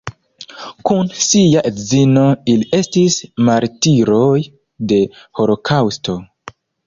Kun sia edzino ili estis martiroj de holokaŭsto.